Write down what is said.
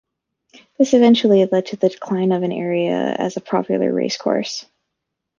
This eventually led to the decline of the area as a popular racecourse.